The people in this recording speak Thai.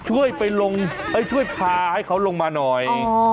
ช่วยพาให้เขาลงมาหน่อย